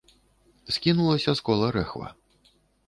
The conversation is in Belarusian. Скінулася з кола рэхва.